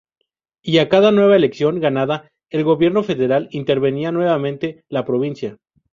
Y a cada nueva elección ganada, el gobierno federal intervenía nuevamente la provincia.